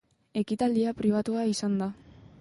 Ekitaldia pribatua izan da.